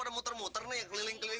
udah ketemu harta karunnya